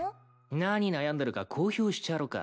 何悩んでるか公表しちゃろか。